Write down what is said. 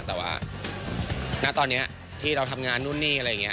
แต่ว่าณตอนนี้ที่เราทำงานนู่นนี่อะไรอย่างนี้